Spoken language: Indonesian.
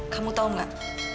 kamu tau gak